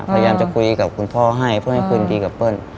พยายามจะคุยกับคุณพ่อให้เพื่อให้คืนดีกับเปิ้ล